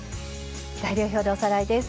材料表でおさらいです。